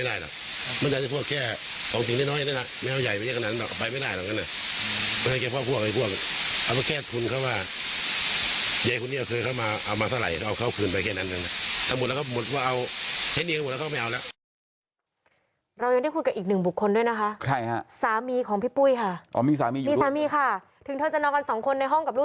สามีของพี่ปุ้ยค่ะอ๋อมีสามีอยู่ด้วยมีสามีค่ะถึงเธอจะนอกันสองคนในห้องกับลูก